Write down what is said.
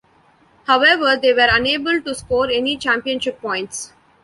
However, they were unable to score any championship points.